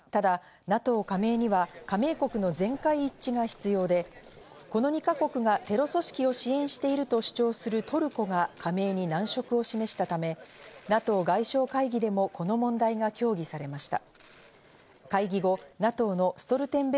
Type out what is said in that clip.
ただ、ＮＡＴＯ加盟には加盟国の全会一致が必要で、この２か国がテロ組織を支援していると主張するトルコが加盟に難色を示したため、ＮＡＴＯ外相会議でもこの問題が協議されました。